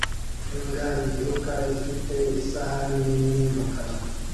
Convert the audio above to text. Imbwa yiruka ifite isahani nini mu kanwa